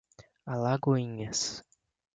Alagoinhas